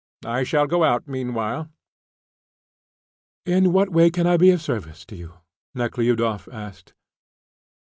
I shall go out meanwhile." "In what way can I be of service to you?" Nekhludoff asked.